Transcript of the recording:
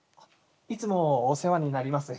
いつもお世話になります